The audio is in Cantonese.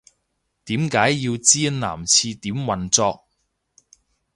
點解要知男廁點運作